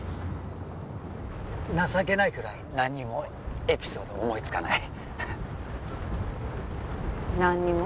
情けないくらい何にもエピソード思いつかない何にも？